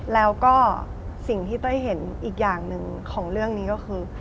แล้วก็สิ่งที่เต้ยเห็นอีกอย่างหนึ่งของเรื่องนี้ก็คือ